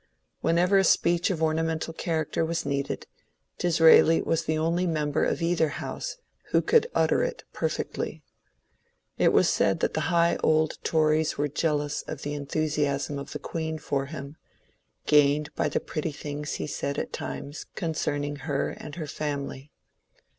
Whenever a speech of ornamental character was needed, Disraeli was the only member of either House who could utter it perfectly. It was said that the high old Tories were jealous of the enthusi asm of the Queen for him, gained by the pretty things he said at times concerning her and her family.